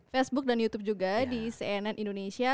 facebook dan youtube juga di cnn indonesia